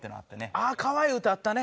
ああかわいい歌あったね。